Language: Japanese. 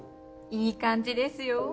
いい感じですよ。